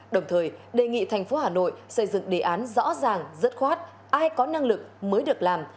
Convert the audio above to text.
đồng thời đề nghị thành phố hà nội xây dựng đề án rõ ràng dứt khoát ai có năng lực mới được làm